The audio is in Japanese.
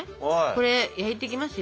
これ焼いていきますよ。